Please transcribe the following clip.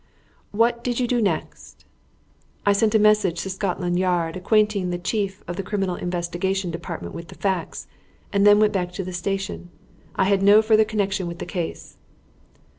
"What did you do next?" "I sent a message to Scotland Yard acquainting the Chief of the Criminal Investigation Department with the facts, and then went back to the station. I had no further connection with the case."